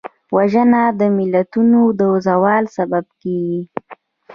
وژنه د ملتونو د زوال سبب کېږي